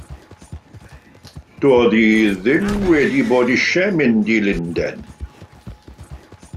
Doedd hi ddim wedi bod eisiau mynd i Lundain.